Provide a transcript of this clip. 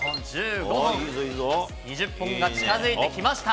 ２０本が近づいてきました！